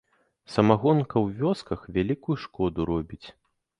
Самагонка ў вёсках вялікую шкоду робіць.